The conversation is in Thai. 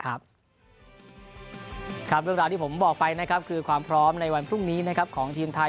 เรื่องราวที่ผมบอกไปคือความพร้อมในวันพรุ่งนี้ของทีมไทย